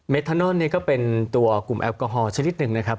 ทานอนเนี่ยก็เป็นตัวกลุ่มแอลกอฮอลชนิดหนึ่งนะครับ